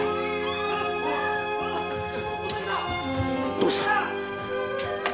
どうした！